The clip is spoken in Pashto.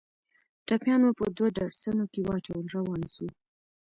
ټپيان مو په دوو ډاټسنو کښې واچول روان سو.